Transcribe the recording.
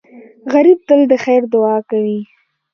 غریب تل د خیر دعا کوي